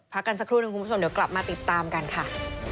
กันสักครู่หนึ่งคุณผู้ชมเดี๋ยวกลับมาติดตามกันค่ะ